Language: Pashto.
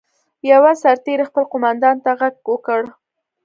یوه سرتېري خپل قوماندان ته غږ وکړ.